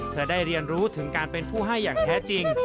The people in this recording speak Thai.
เธอได้เรียนรู้ถึงการเป็นผู้ให้อย่างแท้จริง